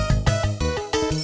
ada kang idris